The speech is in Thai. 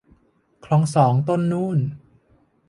คลองสองต้นนุ่น